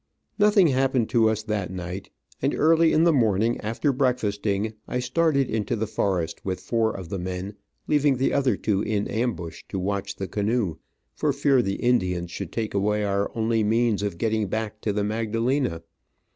Nothing happened to us that night, and early in the morning, after breakfast ing, I started into the forest with four of the men, leaving the other two in ambush to watch the canoe, for fear the Indians should take away our only means of getting back to the Magdalena.